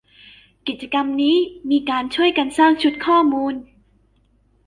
กิจกรรมนี้มีเป็นการช่วยกันสร้างชุดข้อมูล